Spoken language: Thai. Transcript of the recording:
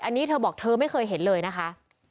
อันนี้เธอบอกเธอไม่เคยเห็นเลยนะคะ